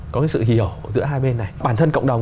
có cái sự hiểu giữa hai bên này bản thân cộng đồng